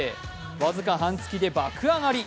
僅か半月で爆上がり